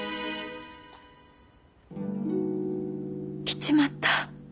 来ちまった。